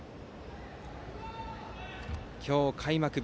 今日、開幕日。